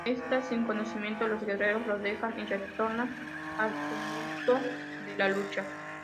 Está sin conocimiento, los guerreros lo dejan y retornan al tumulto de la lucha.